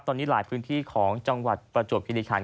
ตอนนี้หลายพื้นที่ของจังหวัดประจวบคิริคัน